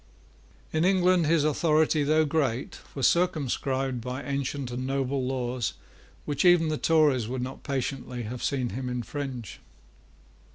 In England his authority, though great, was circumscribed by ancient and noble laws which even the Tories would not patiently have seen him infringe.